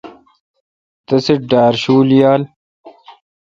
تسی ڈار شول یال۔